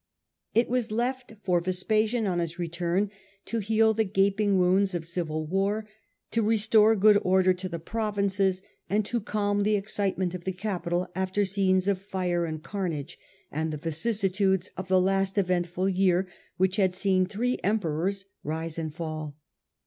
It was left for Vespasian on his return to heal the gaping wounds of civil war, to restore good order to the provinces, and to calm the excitement of Vespasian the capital after scenes of fire and carnage, order a1 and the vicissitude of the last eventful year, Rome, which had seen three Emperors rise and fall.